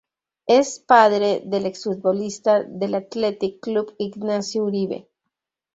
Es padre del exfutbolista del Athletic Club Ignacio Uribe.